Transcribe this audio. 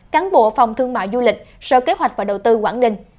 cán bộ phòng thương mại du lịch sở kế hoạch và đầu tư quảng ninh